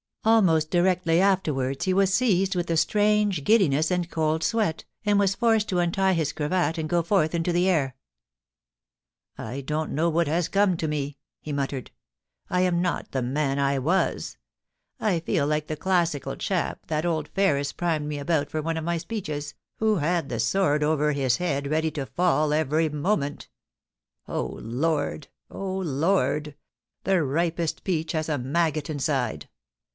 Almost directly afterwards he was seized with a strange THE DIAMONDS. 293 giddiness and cold sweat, and was forced to untie his cravta and go forth into the air. * I don*t know what has come to me,' he muttered * i am not the man I was. I feel like the classical chap, that old Ferris primed me about for one of my speeches, who had the sword over his head ready to fall every moment ... O Lord ! O Lord ! the ripest peach has a maggot in side.